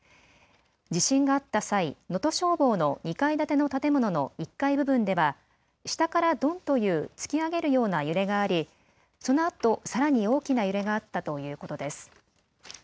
地震があった際、能登消防の２階建ての建物の１階部分では下からドンという突き上げるような揺れがあり、そのあとさらに大きな揺れがあったということです。